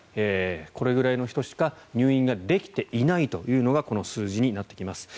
これぐらいの人しか入院ができていないというのがこの数字になってきます。